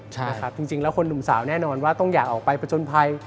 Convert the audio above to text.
ใช่นะครับจริงแล้วคนหนุ่มสาวแน่นอนว่าต้องอยากออกไปประจนภัย